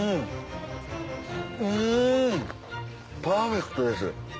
パーフェクトです